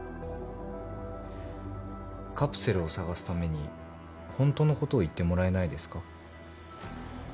カプセルを捜すためにホントのことを言ってもらえないですか。